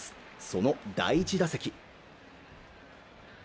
その第１打席